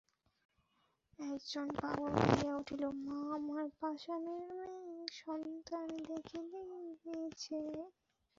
একজন পাগল গাহিয়া উঠিল- মা আমার পাষাণের মেয়ে সন্তানে দেখলি নে চেয়ে।